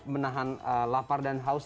menahan lapar dan haus